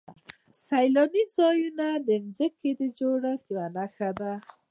سیلاني ځایونه د ځمکې د جوړښت یوه نښه ده.